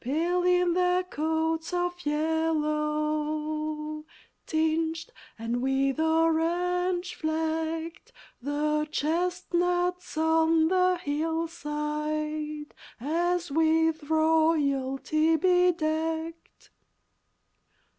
Pale in their coats of yellow, Tinged and with orange flecked, The chestnuts on the hillside, As with royalty bedecked.